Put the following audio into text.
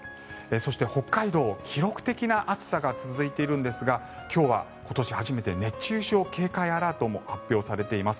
そして北海道、記録的な暑さが続いているんですが今日は今年初めて熱中症警戒アラートも発表されています。